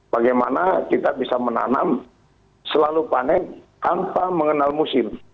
bagaimana kita bisa menanam selalu panen tanpa mengenal musim